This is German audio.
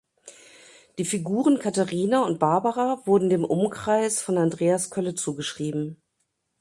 Die Figuren Katharina und Barbara wurden dem Umkreis von Andreas Kölle zugeschrieben.